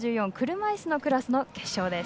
車いすのクラスの決勝です。